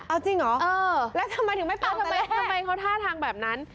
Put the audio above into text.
เอาจริงเหรอแล้วทำไมถึงไม่ปลาทำไมเขาท่าทางแบบนั้น